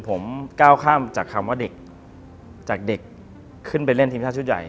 ผมก้าวข้ามจากคำว่าเด็กจากเด็กขึ้นไปเล่นทีมชาติชุดใหญ่